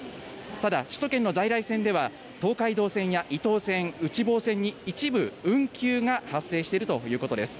ただ首都圏の在来線では東海道線や伊東線、内房線に一部運休が発生しているということです。